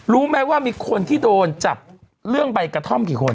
รู้ไหมว่ามีคนที่โดนจับเรื่องใบกระท่อมกี่คน